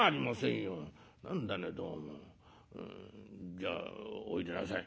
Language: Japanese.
じゃあおいでなさい」。